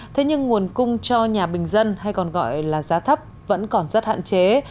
thế nhưng nguồn cung cho nhà bình dân hay còn gọi là giá thấp vẫn còn rất hạn chế